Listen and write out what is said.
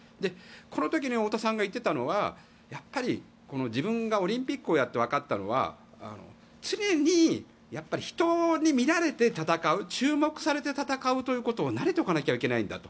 この時に太田さんが言ってたのはやっぱり自分がオリンピックをやってわかったのは常に人に見られて戦う注目されて戦うというのに慣れておかなきゃいけないんだと。